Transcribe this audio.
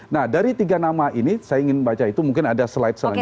nah dari tiga nama ini saya ingin baca itu mungkin ada slide selanjutnya